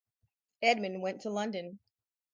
Edmund went to London.